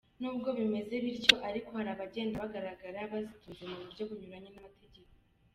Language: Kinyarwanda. Nubwo bimeze bityo ariko hari abagenda bagaragara bazitunze mu buryo bunyuranye n’amategeko.